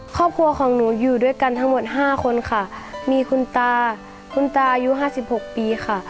ครอบครัวของหนูอยู่ด้วยกันทั้งหมดห้าคนค่ะมีคุณตาคุณตาอายุห้าสิบหกปีค่ะ